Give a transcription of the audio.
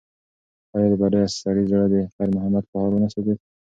ایا د بډایه سړي زړه د خیر محمد په حال ونه سوځېد؟